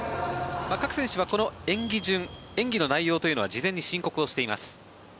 各選手はこの演技順演技の内容というのは事前に申告をしています。